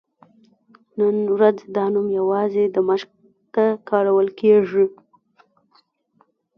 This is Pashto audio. نن ورځ دا نوم یوازې دمشق ته کارول کېږي.